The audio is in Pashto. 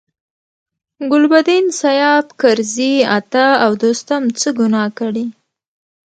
ګلبدین، سیاف، کرزي، عطا او دوستم څه ګناه کړې.